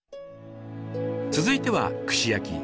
続いては串焼き。